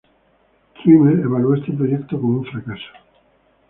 Trimmer evaluó este proyecto como un fracaso.